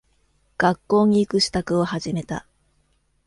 学校に行く支度を始めた。